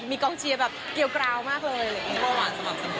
มีกรองเชียร์เกี่ยวกราวมากเลย